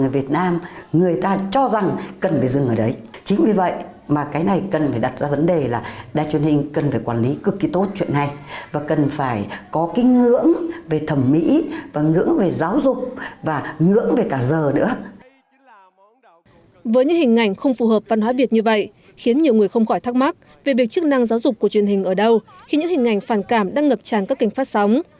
với những hình ảnh không phù hợp văn hóa việt như vậy khiến nhiều người không khỏi thắc mắc về việc chức năng giáo dục của truyền hình ở đâu khi những hình ảnh phản cảm đang ngập tràn các kênh phát sóng